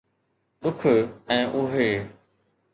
ڏک ۽ اهي